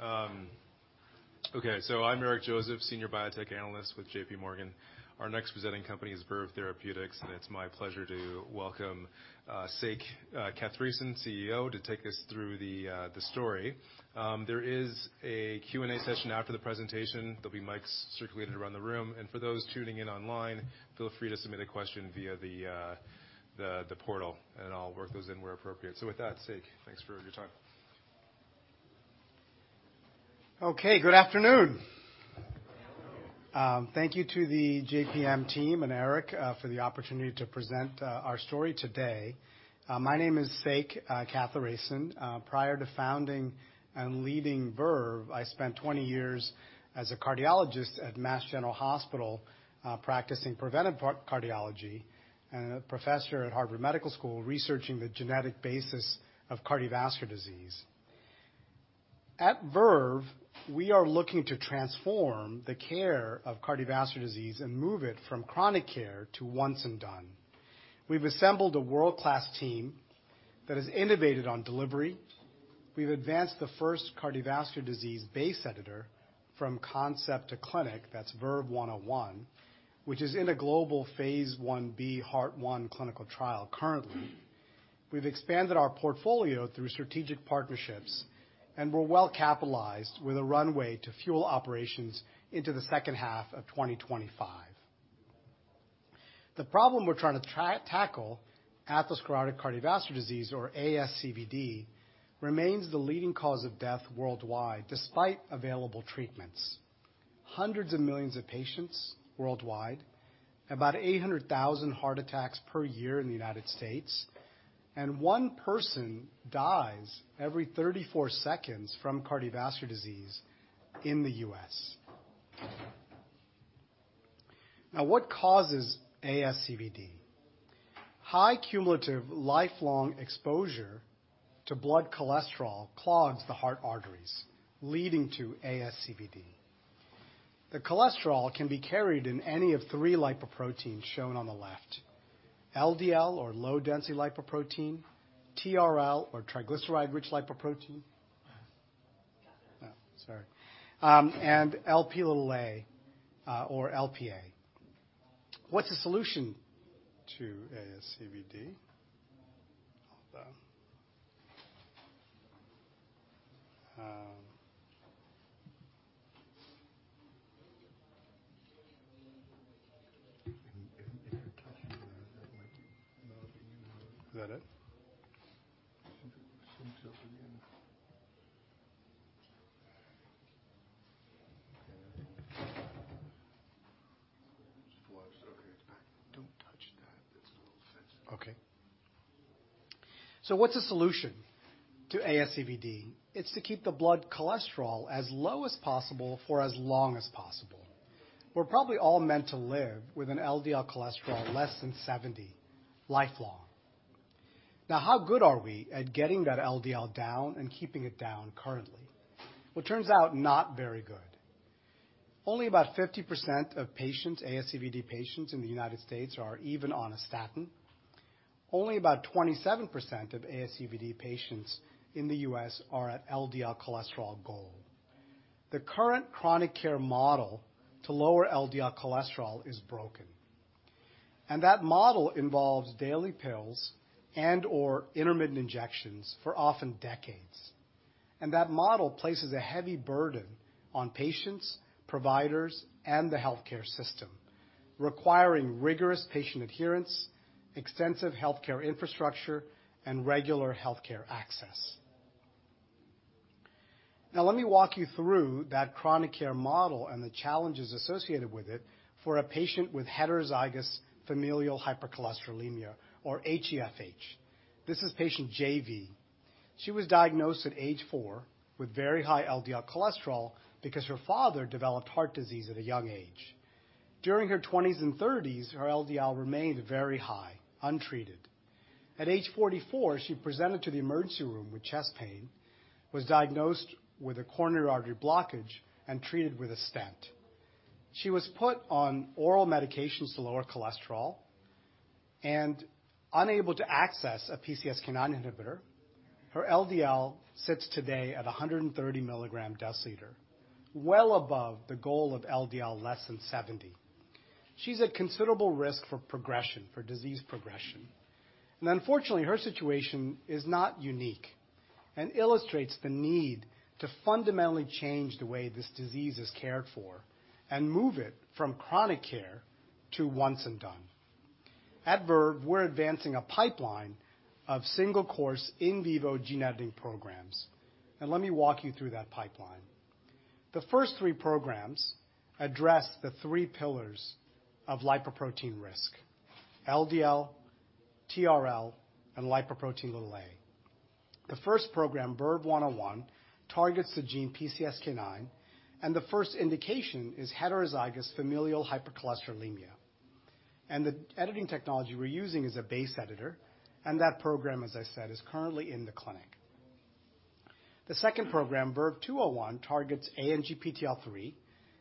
Great. Okay, so I'm Eric Joseph, Senior Biotech Analyst with JPMorgan. Our next presenting company is Verve Therapeutics, and it's my pleasure to welcome Sek Kathiresan, CEO, to take us through the story. There is a Q&A session after the presentation. There'll be mics circulated around the room. For those tuning in online, feel free to submit a question via the portal, and I'll work those in where appropriate. With that, Sek, thanks for your time. Okay, good afternoon. Good afternoon. Thank you to the JPM team and Eric for the opportunity to present our story today. My name is Sek Kathiresan. Prior to founding and leading Verve, I spent 20 years as a cardiologist at Massachusetts General Hospital, practicing preventive cardiology, and a professor at Harvard Medical School, researching the genetic basis of cardiovascular disease. At Verve, we are looking to transform the care of cardiovascular disease and move it from chronic care to once and done. We've assembled a world-class team that has innovated on delivery. We've advanced the first cardiovascular disease base editor from concept to clinic, that's VERVE-101, which is in a global phase I-B Heart-1 clinical trial currently. We've expanded our portfolio through strategic partnerships, we're well capitalized with a runway to fuel operations into the second half of 2025. The problem we're trying to tackle, atherosclerotic cardiovascular disease or ASCVD, remains the leading cause of death worldwide, despite available treatments. Hundreds of millions of patients worldwide, about 800,000 heart attacks per year in the United States, and one person dies every 34 seconds from cardiovascular disease in the U.S. What causes ASCVD? High cumulative lifelong exposure to blood cholesterol clogs the heart arteries, leading to ASCVD. The cholesterol can be carried in any of three lipoproteins shown on the left. LDL or low-density lipoprotein, TRL or triglyceride-rich lipoprotein. Sorry. Lp(a). What's the solution to ASCVD? Hold on. Is that it? Okay, it's back. Don't touch that. It's a little sensitive. Okay. What's the solution to ASCVD? It's to keep the blood cholesterol as low as possible for as long as possible. We're probably all meant to live with an LDL cholesterol less than 70, lifelong. Now, how good are we at getting that LDL down and keeping it down currently? Well, it turns out not very good. Only about 50% of patients, ASCVD patients in the United States are even on a statin. Only about 27% of ASCVD patients in the U.S. are at LDL cholesterol goal. The current chronic care model to lower LDL cholesterol is broken, and that model involves daily pills and/or intermittent injections for often decades. That model places a heavy burden on patients, providers, and the healthcare system, requiring rigorous patient adherence, extensive healthcare infrastructure, and regular healthcare access. Let me walk you through that chronic care model and the challenges associated with it for a patient with heterozygous familial hypercholesterolemia or HEFH. This is patient JV. She was diagnosed at age four with very high LDL cholesterol because her father developed heart disease at a young age. During her 20s and 30s, her LDL remained very high, untreated. At age 44, she presented to the emergency room with chest pain, was diagnosed with a coronary artery blockage and treated with a stent. She was put on oral medications to lower cholesterol and unable to access a PCSK9 inhibitor. Her LDL sits today at 130 mg/dL, well above the goal of LDL less than 70. She's at considerable risk for progression, for disease progression. Unfortunately, her situation is not unique and illustrates the need to fundamentally change the way this disease is cared for and move it from chronic care to once and done. At Verve, we're advancing a pipeline of single-course in vivo gene editing programs. Let me walk you through that pipeline. The first three programs address the three pillars of lipoprotein risk: LDL, TRL, and lipoprotein(a). The first program, VERVE-101, targets the gene PCSK9, and the first indication is heterozygous familial hypercholesterolemia. The editing technology we're using is a base editor, and that program, as I said, is currently in the clinic. The second program, VERVE-201, targets ANGPTL3.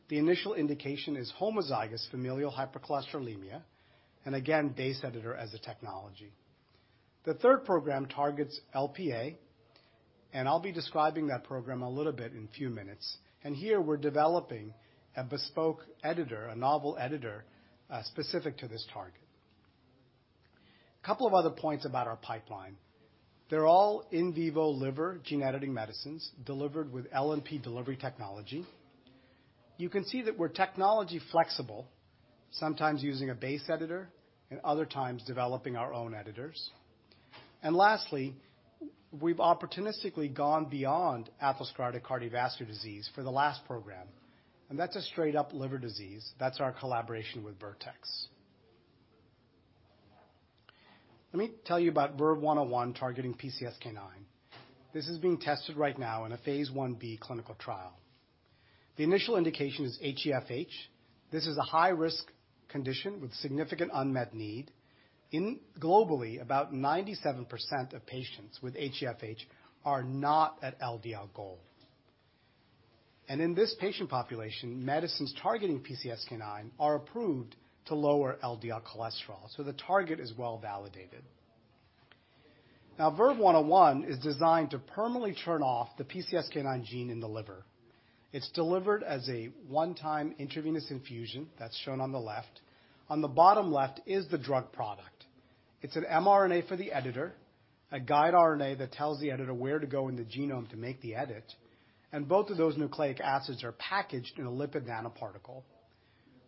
The initial indication is homozygous familial hypercholesterolemia, and again, base editor as a technology. The third program targets LPA, and I'll be describing that program a little bit in a few minutes. Here we're developing a bespoke editor, a novel editor, specific to this target. A couple of other points about our pipeline. They're all in vivo liver gene editing medicines delivered with LNP delivery technology. You can see that we're technology flexible, sometimes using a base editor and other times developing our own editors. Lastly, we've opportunistically gone beyond atherosclerotic cardiovascular disease for the last program, and that's a straight up liver disease. That's our collaboration with Vertex. Let me tell you about VERVE-101 targeting PCSK9. This is being tested right now in a phase I-B clinical trial. The initial indication is HEFH. This is a high risk condition with significant unmet need. Globally, about 97% of patients with HEFH are not at LDL goal. In this patient population, medicines targeting PCSK9 are approved to lower LDL cholesterol, so the target is well validated. Now, VERVE-101 is designed to permanently turn off the PCSK9 gene in the liver. It's delivered as a one-time intravenous infusion that's shown on the left. On the bottom left is the drug product. It's an mRNA for the editor, a guide RNA that tells the editor where to go in the genome to make the edit, and both of those nucleic acids are packaged in a lipid nanoparticle.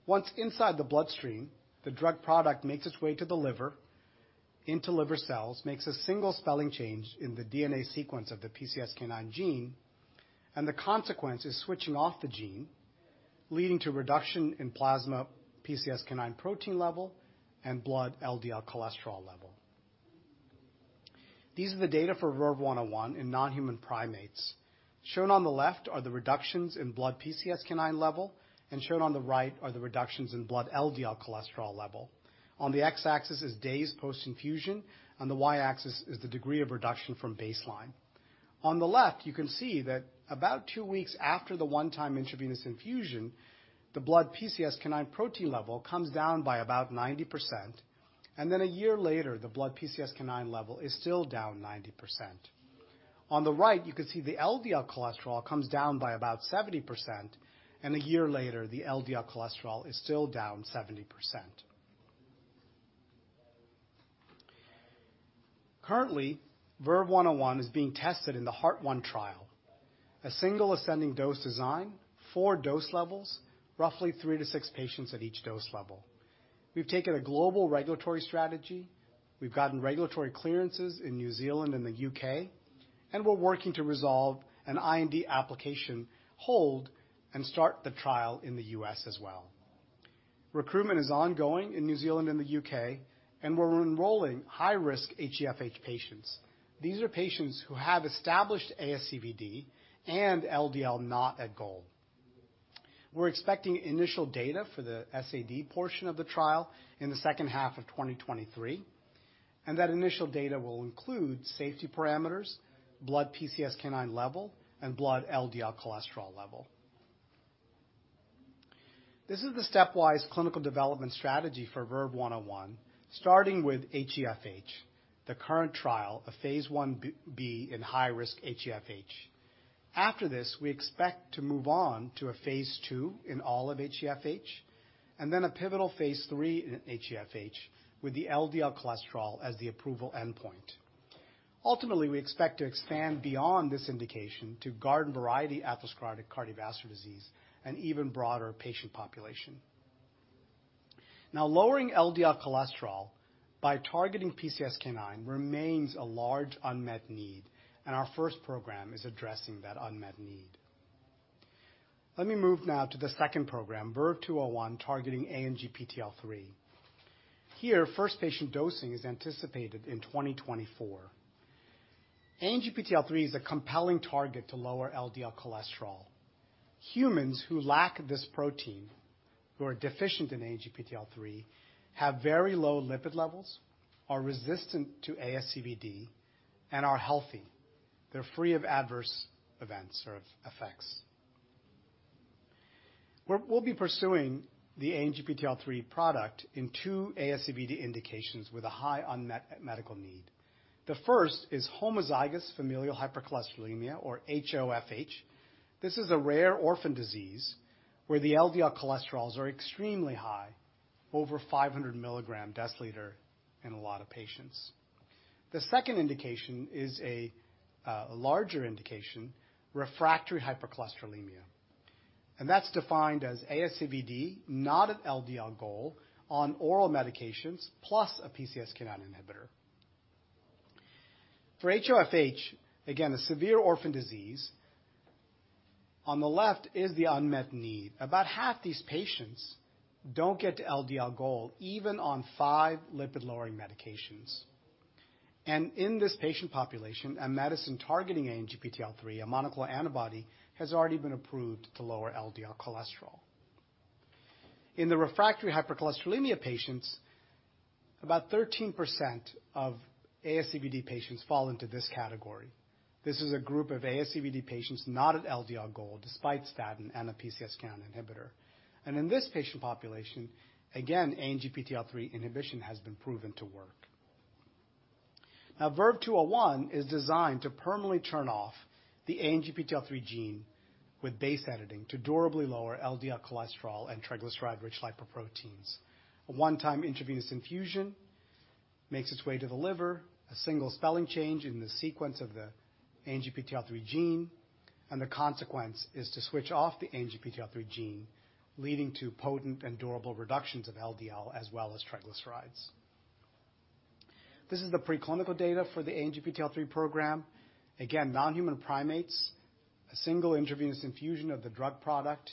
Once inside the bloodstream, the drug product makes its way to the liver, into liver cells, makes a single spelling change in the DNA sequence of the PCSK9 gene, and the consequence is switching off the gene, leading to reduction in plasma PCSK9 protein level and blood LDL cholesterol level. These are the data for VERVE-101 in non-human primates. Shown on the left are the reductions in blood PCSK9 level. Shown on the right are the reductions in blood LDL cholesterol level. On the X-axis is days post-infusion, on the Y-axis is the degree of reduction from baseline. On the left, you can see that about two weeks after the one-time intravenous infusion, the blood PCSK9 protein level comes down by about 90%. A year later, the blood PCSK9 level is still down 90%. On the right, you can see the LDL cholesterol comes down by about 70%. A year later, the LDL cholesterol is still down 70%. Currently, VERVE-101 is being tested in the Heart-1 trial. A single ascending dose design, four dose levels, roughly three to six patients at each dose level. We've taken a global regulatory strategy. We've gotten regulatory clearances in New Zealand and the U.K., and we're working to resolve an IND application hold and start the trial in the U.S. as well. Recruitment is ongoing in New Zealand and the U.K., and we're enrolling high-risk HEFH patients. These are patients who have established ASCVD and LDL not at goal. We're expecting initial data for the SAD portion of the trial in the second half of 2023, and that initial data will include safety parameters, blood PCSK9 level, and blood LDL cholesterol level. This is the stepwise clinical development strategy for VERVE-101, starting with HEFH, the current trial of phase I-B in high-risk HEFH. After this, we expect to move on to a phase II in all of HEFH, and then a pivotal phase III in HEFH with the LDL cholesterol as the approval endpoint. Ultimately, we expect to expand beyond this indication to garden variety atherosclerotic cardiovascular disease and even broader patient population. Now, lowering LDL cholesterol by targeting PCSK9 remains a large unmet need, and our first program is addressing that unmet need. Let me move now to the second program, VERVE-201, targeting ANGPTL3. Here, first patient dosing is anticipated in 2024. ANGPTL3 is a compelling target to lower LDL cholesterol. Humans who lack this protein, who are deficient in ANGPTL3, have very low lipid levels, are resistant to ASCVD, and are healthy. They're free of adverse events or effects. We'll be pursuing the ANGPTL3 product in two ASCVD indications with a high unmet medical need. The first is homozygous familial hypercholesterolemia, or HoFH. This is a rare orphan disease where the LDL cholesterols are extremely high, over 500 mg/dL in a lot of patients. The second indication is a larger indication, refractory hypercholesterolemia. That's defined as ASCVD, not at LDL goal, on oral medications plus a PCSK9 inhibitor. For HoFH, again, a severe orphan disease, on the left is the unmet need. About half these patients don't get to LDL goal even on five lipid-lowering medications. In this patient population, a medicine targeting ANGPTL3, a monoclonal antibody, has already been approved to lower LDL cholesterol. In the refractory hypercholesterolemia patients, about 13% of ASCVD patients fall into this category. This is a group of ASCVD patients not at LDL goal, despite statin and a PCSK9 inhibitor. In this patient population, again, ANGPTL3 inhibition has been proven to work. VERVE-201 is designed to permanently turn off the ANGPTL3 gene with base editing to durably lower LDL cholesterol and triglyceride-rich lipoproteins. A one-time intravenous infusion makes its way to the liver, a single spelling change in the sequence of the ANGPTL3 gene, the consequence is to switch off the ANGPTL3 gene, leading to potent and durable reductions of LDL as well as triglycerides. This is the preclinical data for the ANGPTL3 program. Again, non-human primates, a single intravenous infusion of the drug product.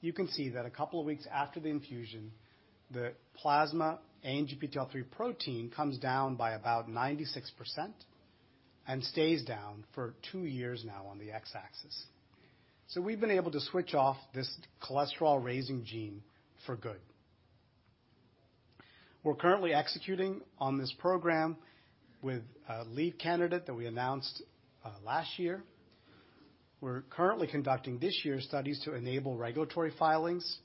You can see that a couple of weeks after the infusion, the plasma ANGPTL3 protein comes down by about 96% and stays down for two years now on the X-axis. We've been able to switch off this cholesterol-raising gene for good. We're currently executing on this program with a lead candidate that we announced last year. We're currently conducting this year's studies to enable regulatory filings,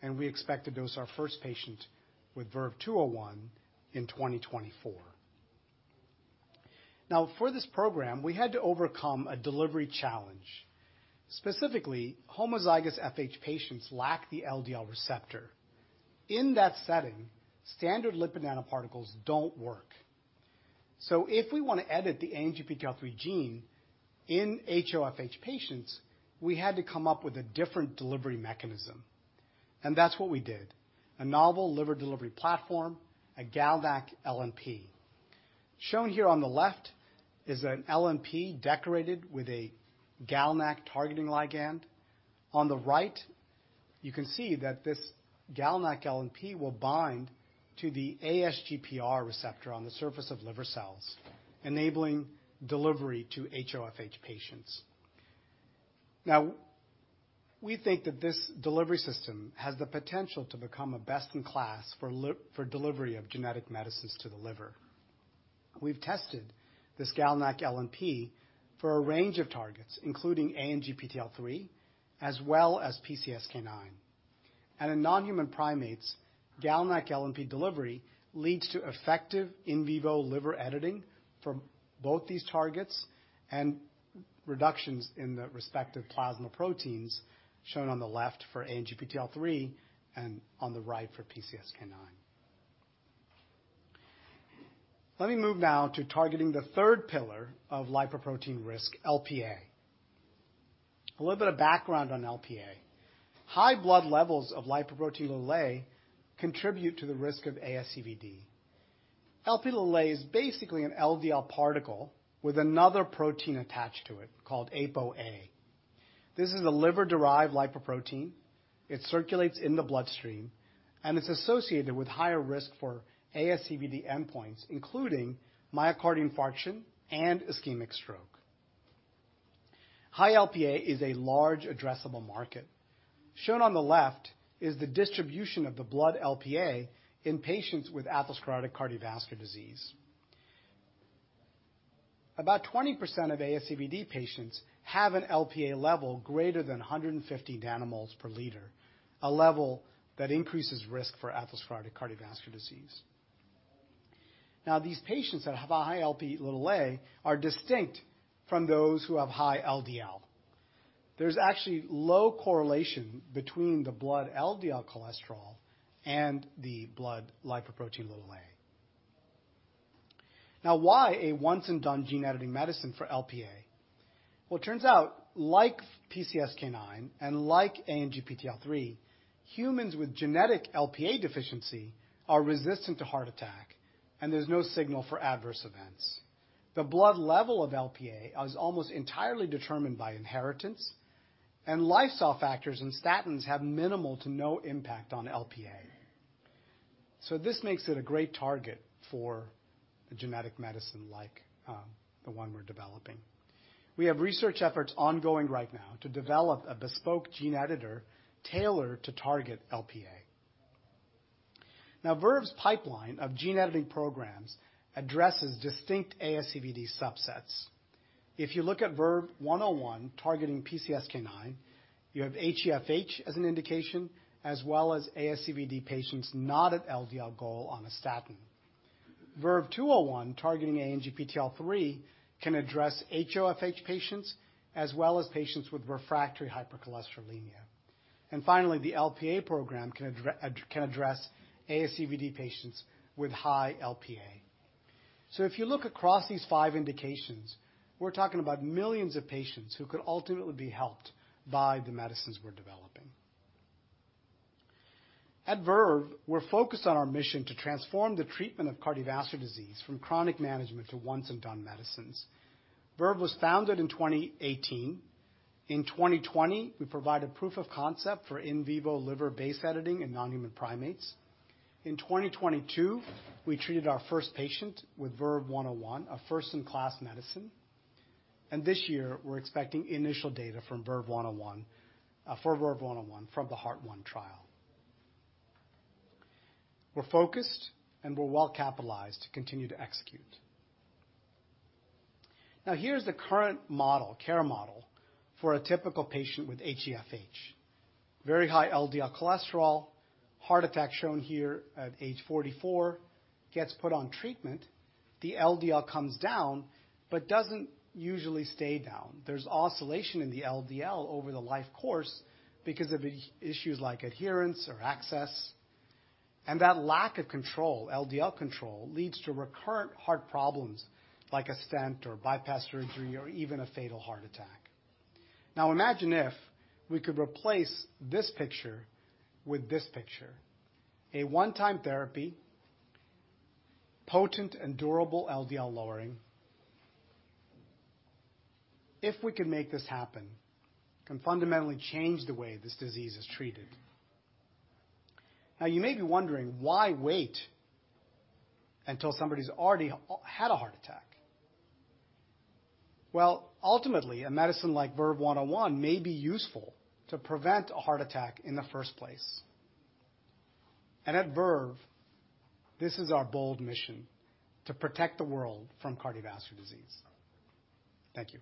and we expect to dose our first patient with VERVE-201 in 2024. For this program, we had to overcome a delivery challenge. Specifically, HoFH patients lack the LDL receptor. In that setting, standard lipid nanoparticles don't work. If we want to edit the ANGPTL3 gene in HoFH patients, we had to come up with a different delivery mechanism. That's what we did, a novel liver delivery platform, a GalNAc-LNP. Shown here on the left is an LNP decorated with a GalNAc targeting ligand. On the right, you can see that this GalNAc-LNP will bind to the ASGPR receptor on the surface of liver cells, enabling delivery to HoFH patients. We think that this delivery system has the potential to become a best in class for delivery of genetic medicines to the liver. We've tested this GalNAc-LNP for a range of targets including ANGPTL3 as well as PCSK9. In non-human primates, GalNAc-LNP delivery leads to effective in vivo liver editing for both these targets and reductions in the respective plasma proteins shown on the left for ANGPTL3 and on the right for PCSK9. Let me move now to targeting the third pillar of lipoprotein risk, Lp(a) little bit of background on Lp(a). High blood levels of lipoprotein(a) contribute to the risk of ASCVD. Lp(a) is basically an LDL particle with another protein attached to it called Apo(a). This is a liver-derived lipoprotein. It circulates in the bloodstream, it's associated with higher risk for ASCVD endpoints, including myocardial infarction and ischemic stroke. High Lp(a) is a large addressable market. Shown on the left is the distribution of the blood Lp(a) in patients with atherosclerotic cardiovascular disease. About 20% of ASCVD patients have an Lp(a) level greater than 150 nmol/L, a level that increases risk for atherosclerotic cardiovascular disease. These patients that have a high Lp(a) are distinct from those who have high LDL. There's actually low correlation between the blood LDL cholesterol and the blood lipoprotein(a). Why a once and done gene editing medicine for Lp(a)? Well, it turns out, like PCSK9 and like ANGPTL3, humans with genetic Lp(a) deficiency are resistant to heart attack, and there's no signal for adverse events. The blood level of Lp(a) is almost entirely determined by inheritance and lifestyle factors and statins have minimal to no impact on Lp(a). This makes it a great target for a genetic medicine like the one we're developing. We have research efforts ongoing right now to develop a bespoke gene editor tailored to target Lp(a). Verve's pipeline of gene editing programs addresses distinct ASCVD subsets. If you look at VERVE-101 targeting PCSK9, you have HEFH as an indication, as well as ASCVD patients not at LDL goal on a statin. VERVE-201 targeting ANGPTL3 can address HoFH patients as well as patients with refractory hypercholesterolemia. Finally, the Lp(a) program can address ASCVD patients with high Lp(a). If you look across these five indications, we're talking about millions of patients who could ultimately be helped by the medicines we're developing. At Verve, we're focused on our mission to transform the treatment of cardiovascular disease from chronic management to once and done medicines. Verve was founded in 2018. In 2020, we provided proof of concept for in vivo liver-based editing in non-human primates. In 2022, we treated our first patient with VERVE-101, a first-in-class medicine. This year, we're expecting initial data from VERVE-101 for VERVE-101 from the Heart-1 trial. We're focused, and we're well-capitalized to continue to execute. Here's the current model, care model for a typical patient with HEFH. Very high LDL cholesterol. Heart attack shown here at age 44. Gets put on treatment. The LDL comes down, doesn't usually stay down. There's oscillation in the LDL over the life course because of issues like adherence or access. That lack of control, LDL control, leads to recurrent heart problems like a stent or bypass surgery or even a fatal heart attack. Imagine if we could replace this picture with this picture. A one-time therapy, potent and durable LDL lowering. If we can make this happen, can fundamentally change the way this disease is treated. You may be wondering, why wait until somebody's already had a heart attack? Well, ultimately, a medicine like VERVE-101 may be useful to prevent a heart attack in the first place. At VERVE, this is our bold mission: to protect the world from cardiovascular disease. Thank you.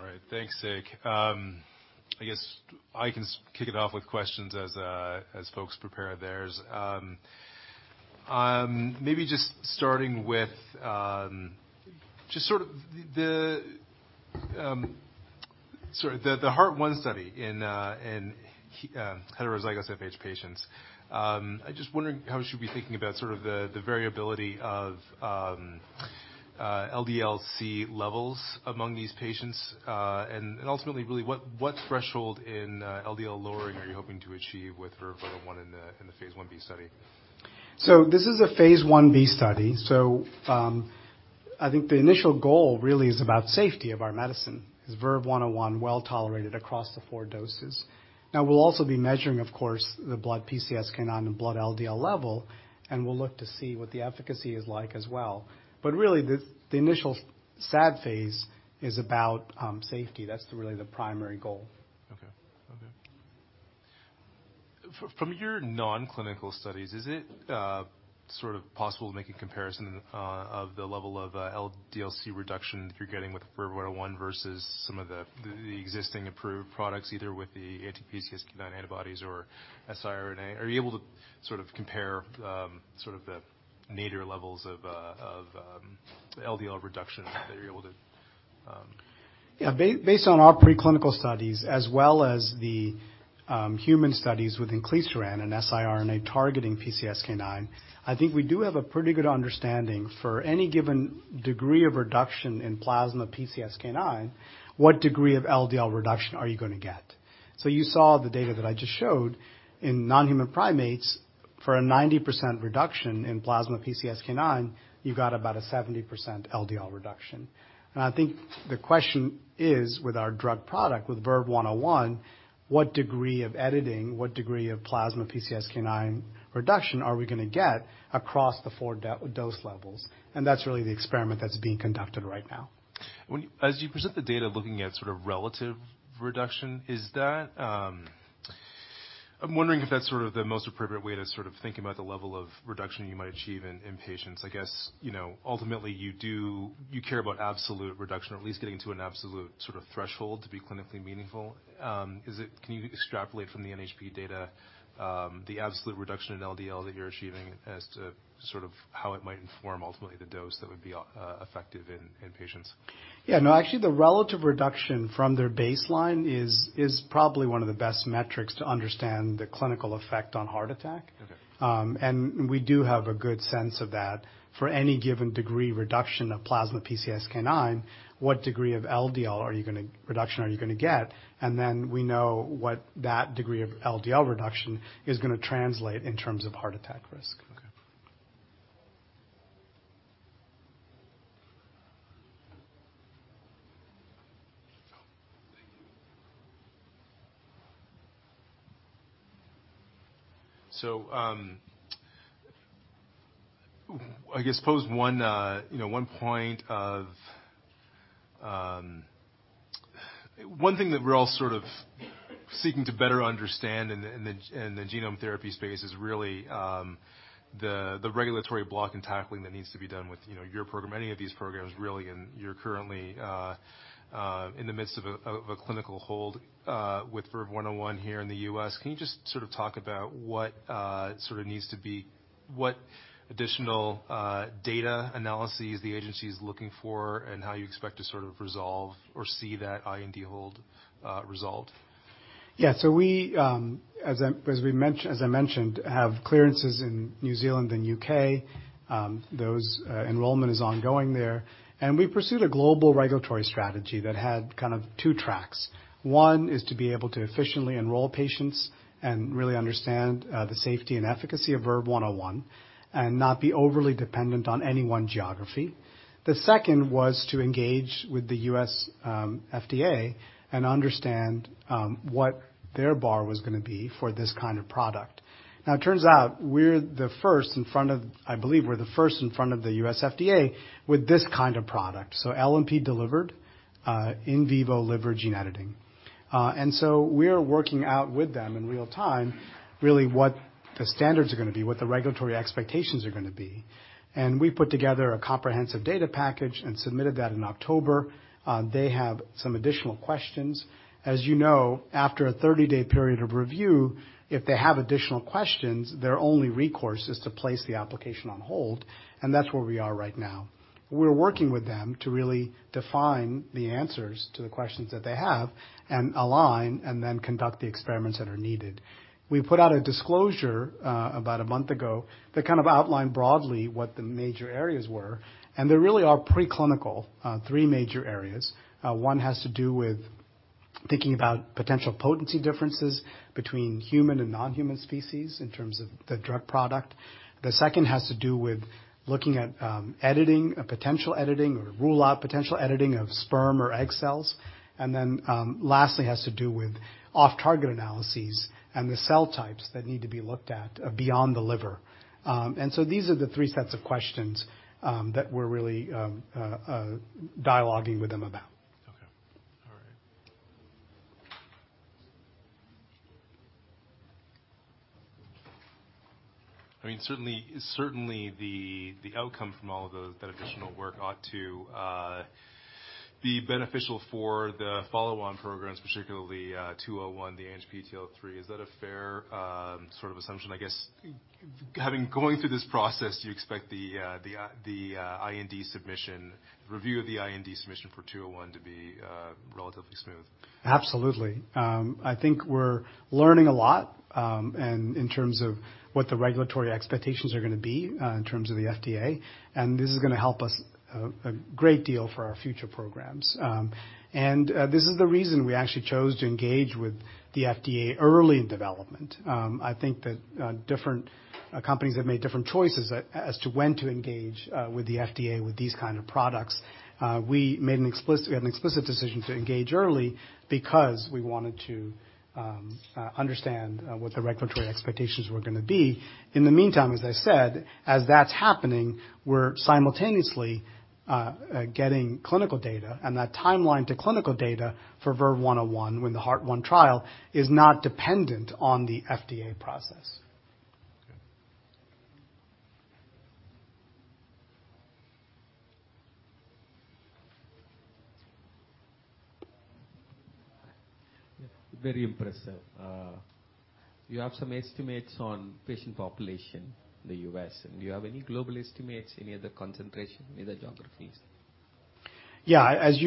All right. Thanks, Sek. I guess I can kick it off with questions as folks prepare theirs. Maybe just starting with just sort of the sort of the Heart-1 study in heterozygous FH patients. I'm just wondering how we should be thinking about sort of the variability of LDL-C levels among these patients. Ultimately, really, what threshold in LDL lowering are you hoping to achieve with VERVE-101 in the phase I-B study? This is a phase I-B study. I think the initial goal really is about safety of our medicine. Is VERVE-101 well-tolerated across the four doses? Now, we'll also be measuring, of course, the blood PCSK9 and blood LDL level, and we'll look to see what the efficacy is like as well. Really, the initial SAD phase is about safety. That's really the primary goal. Okay. Okay. From your non-clinical studies, is it, sort of possible to make a comparison, of the level of LDL-C reduction that you're getting with VERVE-101 versus some of the existing approved products, either with the anti-PCSK9 antibodies or siRNA? Are you able to sort of compare, sort of the nadir levels of LDL reduction that you're able to? Yeah. Based on our preclinical studies as well as the human studies with inclisiran and siRNA targeting PCSK9, I think we do have a pretty good understanding for any given degree of reduction in plasma PCSK9, what degree of LDL reduction are you gonna get. You saw the data that I just showed. In non-human primates, for a 90% reduction in plasma PCSK9, you got about a 70% LDL reduction. I think the question is, with our drug product, with VERVE-101, what degree of editing, what degree of plasma PCSK9 reduction are we gonna get across the four dose levels? That's really the experiment that's being conducted right now. As you present the data looking at sort of relative reduction, is that, I'm wondering if that's sort of the most appropriate way to sort of think about the level of reduction you might achieve in patients? I guess, you know, ultimately you care about absolute reduction or at least getting to an absolute sort of threshold to be clinically meaningful. Can you extrapolate from the NHP data, the absolute reduction in LDL that you're achieving as to sort of how it might inform ultimately the dose that would be effective in patients? Yeah, no, actually, the relative reduction from their baseline is probably one of the best metrics to understand the clinical effect on heart attack. Okay. We do have a good sense of that. For any given degree reduction of plasma PCSK9, what degree of LDL reduction are you gonna get? We know what that degree of LDL reduction is gonna translate in terms of heart attack risk. Okay. I guess pose one, you know, one point of, one thing that we're all sort of seeking to better understand in the genome therapy space is really, the regulatory block and tackling that needs to be done with, you know, your program, any of these programs, really. You're currently, in the midst of a clinical hold, with VERVE-101 here in the U.S. Can you just sort of talk about what additional data analyses the agency is looking for and how you expect to sort of resolve or see that IND hold resolved? Yeah. We, as I mentioned, have clearances in New Zealand and U.K. Those, enrollment is ongoing there. We pursued a global regulatory strategy that had kind of two tracks. One is to be able to efficiently enroll patients and really understand the safety and efficacy of VERVE-101 and not be overly dependent on any one geography. The second was to engage with the U.S. FDA and understand what their bar was gonna be for this kind of product. It turns out I believe we're the first in front of the U.S. FDA with this kind of product. LNP delivered in vivo liver gene editing. We are working out with them in real time, really what the standards are gonna be, what the regulatory expectations are gonna be. We put together a comprehensive data package and submitted that in October. They have some additional questions. As you know, after a 30-day period of review, if they have additional questions, their only recourse is to place the application on hold, and that's where we are right now. We're working with them to really define the answers to the questions that they have and align and then conduct the experiments that are needed. We put out a disclosure, about a month ago that kind of outlined broadly what the major areas were, and they really are preclinical, three major areas. One has to do with thinking about potential potency differences between human and non-human species in terms of the drug product. The second has to do with looking at editing, a potential editing or rule out potential editing of sperm or egg cells. Lastly, has to do with off-target analyses and the cell types that need to be looked at beyond the liver. These are the three sets of questions that we're really dialoguing with them about. Okay. All right. I mean, certainly the outcome from all of those, that additional work ought to be beneficial for the follow-on programs, particularly 201, the ANGPTL3. Is that a fair sort of assumption, I guess? Going through this process, do you expect the IND submission, review of the IND submission for 201 to be relatively smooth? Absolutely. I think we're learning a lot in terms of what the regulatory expectations are gonna be in terms of the FDA. This is gonna help us a great deal for our future programs. This is the reason we actually chose to engage with the FDA early in development. I think that different companies have made different choices as to when to engage with the FDA with these kind of products. We had an explicit decision to engage early because we wanted to understand what the regulatory expectations were gonna be. In the meantime, as I said, as that's happening, we're simultaneously getting clinical data. That timeline to clinical data for VERVE-101 when the Heart-1 trial is not dependent on the FDA process. Okay. Very impressive. You have some estimates on patient population in the U.S. Do you have any global estimates, any other concentration in other geographies? As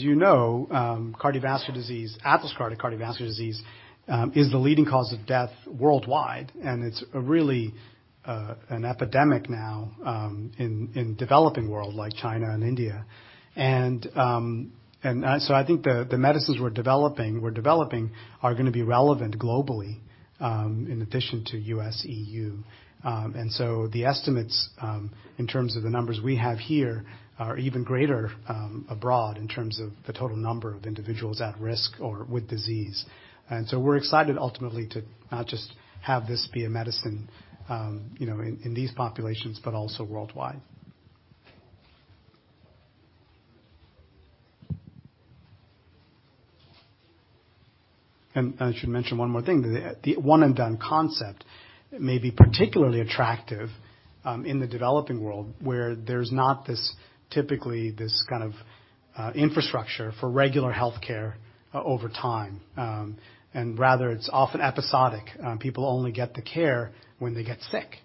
you know, cardiovascular disease, atherosclerosis cardiovascular disease, is the leading cause of death worldwide, and it's really an epidemic now, in developing world like China and India. I think the medicines we're developing are gonna be relevant globally, in addition to U.S., EU. The estimates, in terms of the numbers we have here are even greater, abroad in terms of the total number of individuals at risk or with disease. We're excited ultimately to not just have this be a medicine, you know, in these populations, but also worldwide. I should mention one more thing. The one-and-done concept may be particularly attractive in the developing world, where there's not this typically this kind of infrastructure for regular healthcare over time. Rather, it's often episodic. People only get the care when they get sick.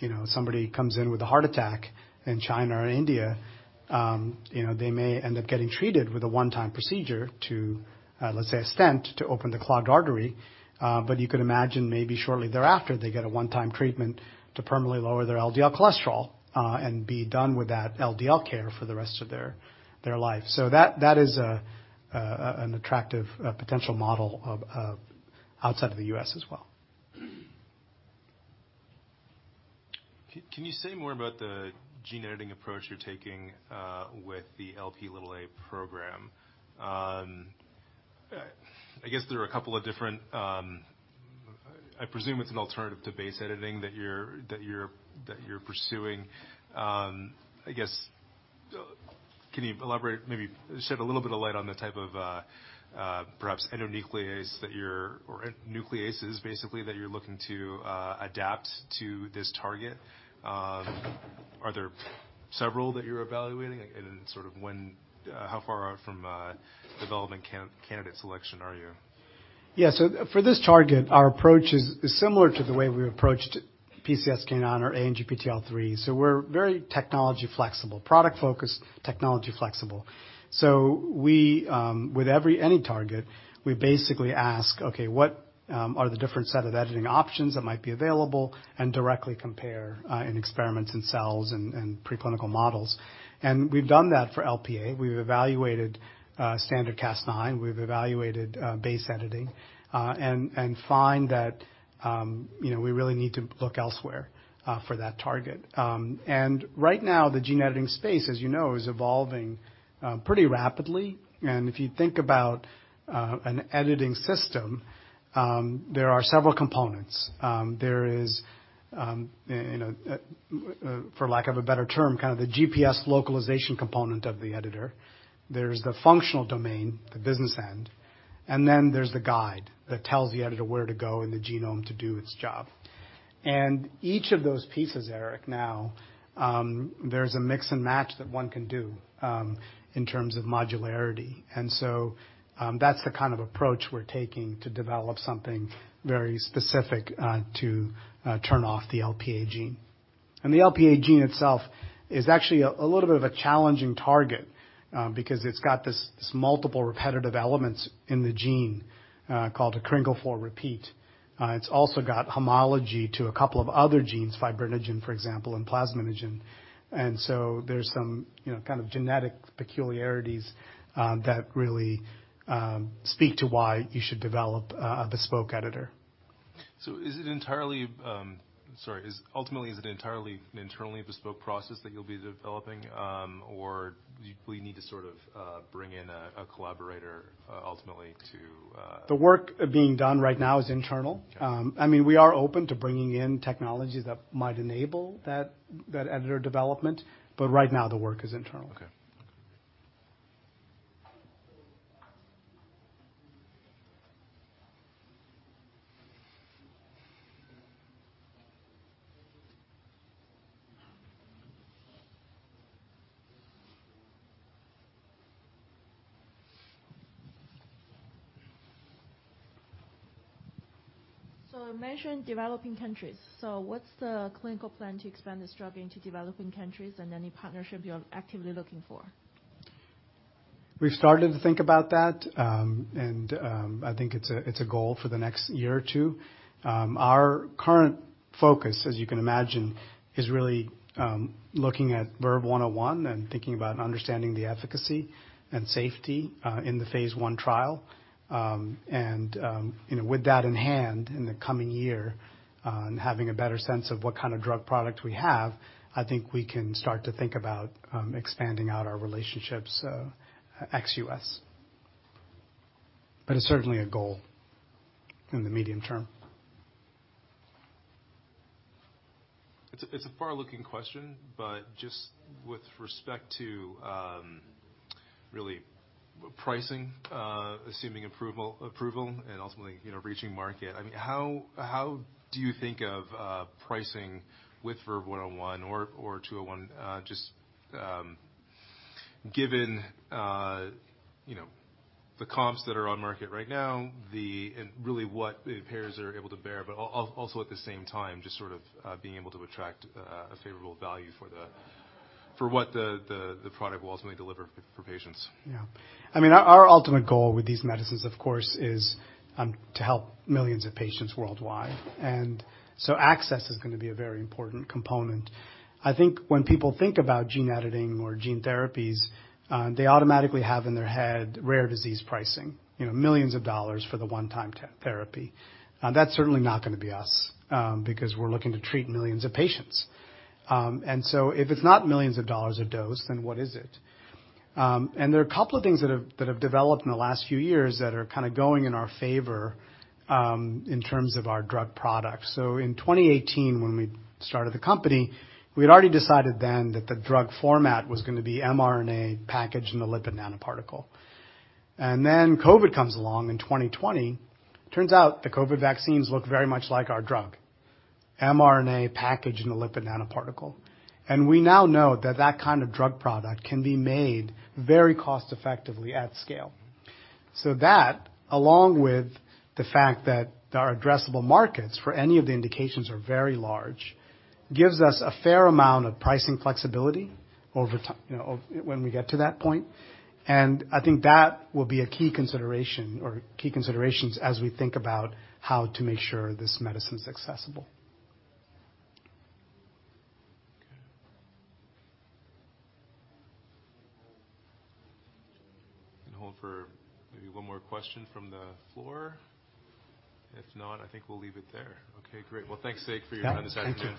You know, somebody comes in with a heart attack in China or India, you know, they may end up getting treated with a one-time procedure to, let's say, a stent to open the clogged artery. You could imagine maybe shortly thereafter, they get a one-time treatment to permanently lower their LDL cholesterol and be done with that LDL care for the rest of their life. That, that is an attractive potential model of outside of the U.S. as well. Can you say more about the gene editing approach you're taking, with the Lp(a) program? I guess there are a couple of different... I presume it's an alternative to base editing that you're pursuing. I guess, can you elaborate, maybe shed a little bit of light on the type of, perhaps endonuclease that you're or nucleases, basically, that you're looking to adapt to this target? Are there several that you're evaluating? Sort of how far out from development candidate selection are you? Yeah. For this target, our approach is similar to the way we approached PCSK9 or ANGPTL3. We're very technology-flexible. Product-focused, technology-flexible. We, with any target, we basically ask, okay, what are the different set of editing options that might be available and directly compare in experiments in cells and preclinical models. We've done that for LPA. We've evaluated standard Cas9, we've evaluated base editing, and find that, you know, we really need to look elsewhere for that target. Right now, the gene editing space, as you know, is evolving pretty rapidly. If you think about an editing system, there are several components. There is, you know, for lack of a better term, kind of the GPS localization component of the editor. There's the functional domain, the business end, and then there's the guide that tells the editor where to go in the genome to do its job. Each of those pieces, Eric, now, there's a mix and match that one can do in terms of modularity. That's the kind of approach we're taking to develop something very specific to turn off the LPA gene. The LPA gene itself is actually a little bit of a challenging target because it's got this multiple repetitive elements in the gene called a kringle IV repeat. It's also got homology to a couple of other genes, fibrinogen, for example, and plasminogen. There's some, you know, kind of genetic peculiarities that really speak to why you should develop a bespoke editor. Ultimately, is it entirely an internally bespoke process that you'll be developing, or we need to sort of bring in a collaborator ultimately to? The work being done right now is internal. Okay. I mean, we are open to bringing in technologies that might enable that editor development, but right now the work is internal. Okay. You mentioned developing countries. What's the clinical plan to expand this drug into developing countries and any partnership you're actively looking for? We've started to think about that. I think it's a goal for the next year or two. Our current focus, as you can imagine, is really, looking at VERVE-101 and thinking about understanding the efficacy and safety, in the phase I trial. You know, with that in hand in the coming year, and having a better sense of what kind of drug product we have, I think we can start to think about, expanding out our relationships, ex-U.S. It's certainly a goal in the medium term. It's a far-looking question, but just with respect to really pricing, assuming approval and ultimately, you know, reaching market, I mean, how do you think of pricing with VERVE-101 or 201, just given, you know, the comps that are on market right now, and really what the payers are able to bear, but also at the same time, just sort of being able to attract a favorable value for what the product will ultimately deliver for patients? Yeah. I mean, our ultimate goal with these medicines, of course, is to help millions of patients worldwide. Access is gonna be a very important component. I think when people think about gene editing or gene therapies, they automatically have in their head rare disease pricing. You know, millions of dollars for the one-time therapy. That's certainly not gonna be us, because we're looking to treat millions of patients. If it's not millions of dollars a dose, then what is it? There are a couple of things that have developed in the last few years that are kinda going in our favor, in terms of our drug products. In 2018 when we started the company, we'd already decided then that the drug format was gonna be mRNA packaged in the lipid nanoparticle. Then COVID comes along in 2020, turns out the COVID vaccines look very much like our drug. mRNA packaged in the lipid nanoparticle. We now know that that kind of drug product can be made very cost effectively at scale. That, along with the fact that our addressable markets for any of the indications are very large, gives us a fair amount of pricing flexibility over You know, when we get to that point. I think that will be a key consideration or key considerations as we think about how to make sure this medicine's accessible. Okay. Can hold for maybe one more question from the floor. If not, I think we'll leave it there. Okay, great. Well, thanks, Sek, for your time this afternoon.